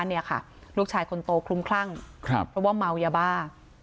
เนี่ยค่ะลูกชายคนโตคลุ้มคลั่งเพราะว่าเมายาบ้า